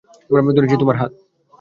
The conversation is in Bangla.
ধরেছি তোমার হাত!